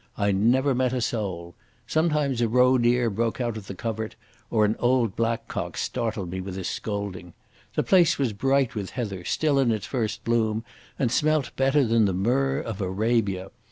I never met a soul. Sometimes a roe deer broke out of the covert, or an old blackcock startled me with his scolding. The place was bright with heather, still in its first bloom, and smelt better than the myrrh of Arabia.